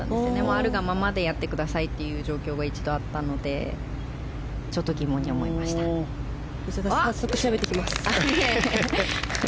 あるがままでやってくださいという状況が一度あったので早速調べておきます。